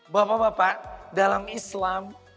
bapak bapak dalam islam